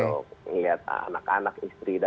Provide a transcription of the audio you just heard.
itu penontonnyaumin dia ya kalau mungkin harshnya ya